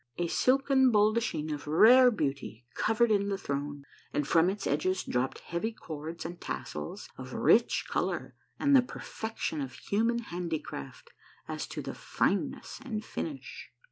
A silken baldachin of rare beauty covered in the throne, and from its edges dropped heavy cords and tassels of rich color and the perfection of human handicraft as to fineness and finish.